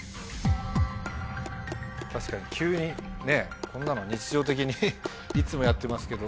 確かに急にねぇこんなの日常的にいつもやってますけど。